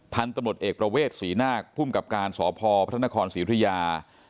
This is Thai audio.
ท่านตำรวจเอกประเวทศรีนาคภูมิกับการสพพศศิริยา